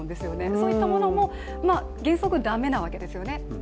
そういったものも原則、駄目なわけですね。